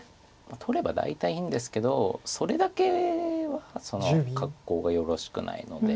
取れば大体いいんですけどそれだけは格好がよろしくないので。